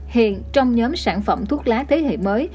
hiện trong nhóm sản phẩm thuốc lá thế hệ mới